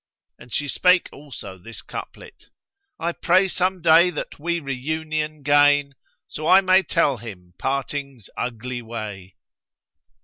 And she spake also this couplet, "I pray some day that we reunion gain, * So may I tell him Parting's ugly way."